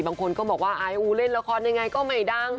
บางคนก็บอกว่าไออูเล่นละครยังไงก็ไม่ดัง